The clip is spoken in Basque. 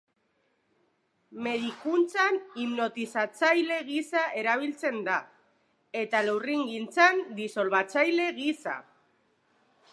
Medikuntzan hipnotizatzaile gisa erabiltzen da, eta lurringintzan disolbatzaile gisa.